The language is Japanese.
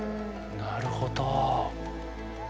なるほど。